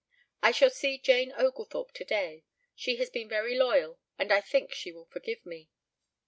"I shall see Jane Oglethorpe today. She has been very loyal and I think she will forgive me.